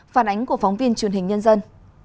phản ánh của phóng viên truyền hình nhân dân